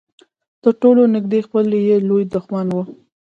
تر ټولو نږدې خپل يې لوی دښمن وي.